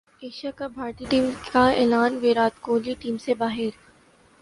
Asia cup بھارتی team کا اعلان ویرات کوہلی ٹیم سے باہر